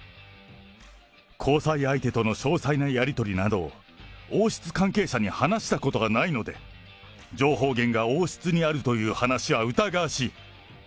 交際相手との詳細なやり取りなどを、王室関係者に話したことがないので、情報源が王室にあるという話は疑わしい。